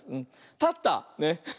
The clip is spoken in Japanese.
たった。ね。